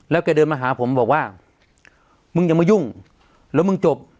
แกเดินมาหาผมบอกว่ามึงอย่ามายุ่งแล้วมึงจบ